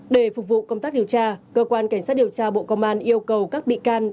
để phục vụ công tác điều tra cơ quan cảnh sát điều tra bộ công an yêu cầu các bị can